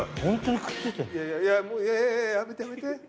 いやいややめてやめて。